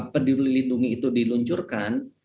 peduli lindungi itu diluncurkan